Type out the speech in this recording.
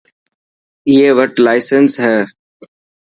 ائي وٽ لاسينس هي.